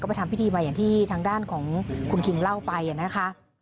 ไปทำพิธีมาอย่างที่ทางด้านของคุณคิงเล่าไปนะคะ